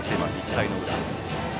１回の裏。